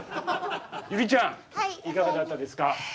ゆりちゃんいかがだったですか？